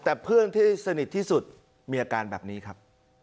แต่เพื่อนที่สนิทที่สุดมีอาการแบบนี้ครับ